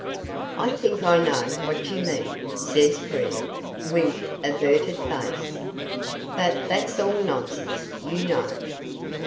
"I think I know what you mean," says Frere, with averted face. "But that's all nonsense, you know."